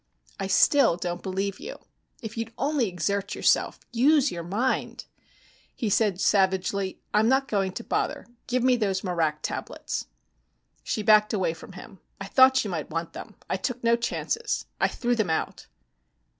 "I still don't believe you. If you'd only exert yourself, use your mind " He said savagely, "I'm not going to bother. Give me those marak tablets." She backed away from him. "I thought you might want them. I took no chances. I threw them out."